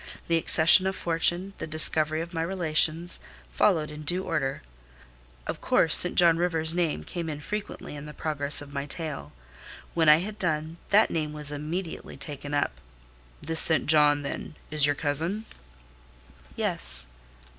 The accession of fortune, the discovery of my relations, followed in due order. Of course, St. John Rivers' name came in frequently in the progress of my tale. When I had done, that name was immediately taken up. "This St. John, then, is your cousin?" "Yes."